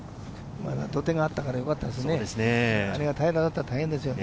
土手があったから、よかったですね。